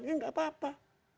ya tidak apa apa